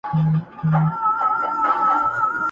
ستا خوږې خبري د سِتار سره سندري دي,